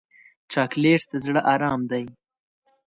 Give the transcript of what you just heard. چاکلېټ د زړه ارام دی.